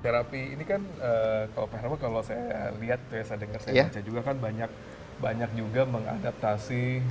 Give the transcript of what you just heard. terapi ini kan kalau pak herama kalau saya lihat saya dengar saya baca juga kan banyak juga mengadaptasi